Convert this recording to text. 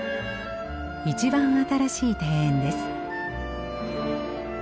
一番新しい庭園です。